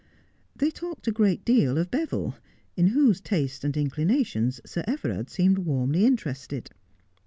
They talked a great deal of Beville, in whose tastes and inclinations Sir Everard seemed warmly interested.